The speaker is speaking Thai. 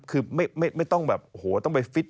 คือไม่ต้องแบบโอ้โหต้องไปฟิต